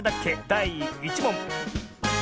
だい１もん。